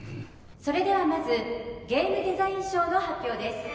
それではまずゲームデザイン賞の発表です